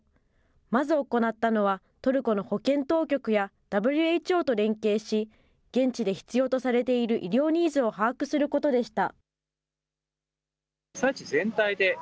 まず行ったのは、トルコの保健当局やＷＨＯと連携し、現地で必要とされている医療ニーズを把握することでした。